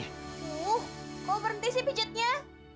aduh kok berhenti sih pijatnya